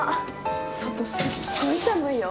外すっごい寒いよ。